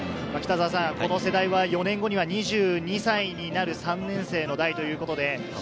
この世代は４年後には２２歳になる３年生の代ということで。